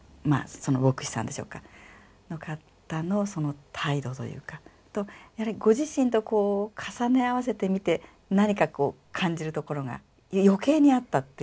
その牧師さんでしょうかの方の態度というかとやはりご自身とこう重ね合わせてみて何かこう感じるところが余計にあったっていう？